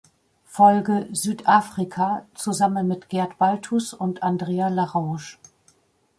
Folge "Südafrika" zusammen mit Gerd Baltus und Andrea L’Arronge.